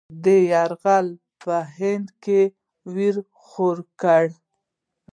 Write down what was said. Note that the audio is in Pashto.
دا یرغل په هند کې وېره خوره کړه.